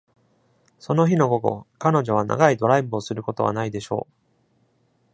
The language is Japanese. その日の午後、彼女は長いドライブをすることはないでしょう。